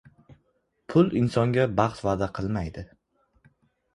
• Pul insonga baxt va’da qilmaydi.